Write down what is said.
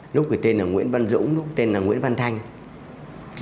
lúc đó tên là nguyễn văn dũng lúc đó tên là nguyễn văn thanh